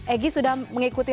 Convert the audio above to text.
egy sudah mengikuti